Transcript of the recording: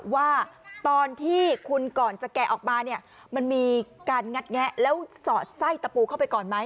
ว่าตอนที่คุณก่อนจะแกะออกมาเนี่ยมันมีการงัดแงะแล้วสอดไส้ตะปูเข้าไปก่อนไหม